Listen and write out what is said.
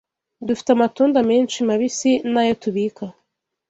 Dufite amatunda menshi mabisi n’ayo tubika